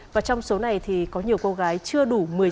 và trong số này thì có nhiều cô gái chưa đủ một mươi sáu tuổi